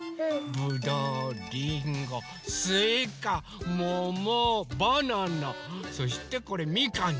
ぶどうりんごすいかももバナナそしてこれみかんです。